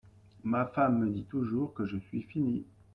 Ma femme qui me dit toujours que je suis fini !…